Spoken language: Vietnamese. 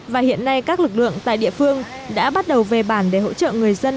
và hiện nay các lực lượng tại địa phương đã bắt đầu về bản để hỗ trợ người dân